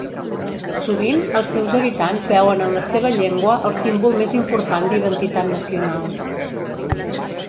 Sovint, els seus habitants veuen en la seva llengua el símbol més important d'identitat nacional.